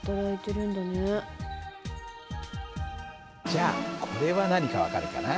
じゃあこれは何か分かるかな？